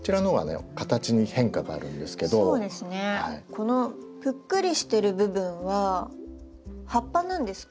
このぷっくりしてる部分は葉っぱなんですか？